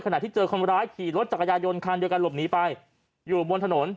ขณะที่เจอคนร้ายขี่รถจักรยายนคันเดียวกันหลบหนีไปอยู่บนถนน